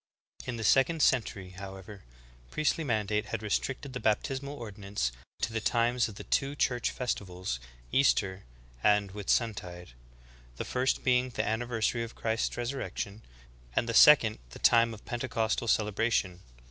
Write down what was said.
I 11. In the second century, however, priestly mandate had restricted the baptismal ordinance to the times of the two Church festivals, Easter and Whitsuntide, the first be ing the anniversary of Christ's resurrection, and the sec ond the time of Pentecostal celebration.